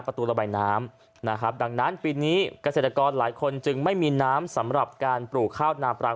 ประตูระบายน้ำนะครับดังนั้นปีนี้เกษตรกรหลายคนจึงไม่มีน้ำสำหรับการปลูกข้าวนาปลา